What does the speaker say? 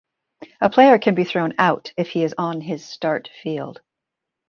A player can be thrown out if he is on his "start" field.